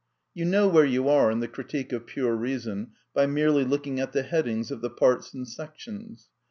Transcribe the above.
You know where you are in the Critique of Pure Reason by merely looking at the headings of the Parts and Sections.